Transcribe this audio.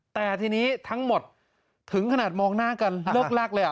แต่ทีนี้ทั้งหมดถึงขนาดมองหน้ากันเลิกลักเลย